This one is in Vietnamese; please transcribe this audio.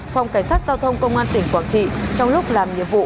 phòng cảnh sát giao thông công an tỉnh quảng trị trong lúc làm nhiệm vụ